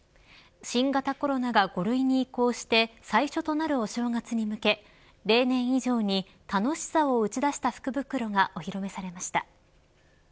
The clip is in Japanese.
新型コロナが５類に移行して最初となるお正月に向け例年以上に楽しさを打ち出した福袋がお披露目されました。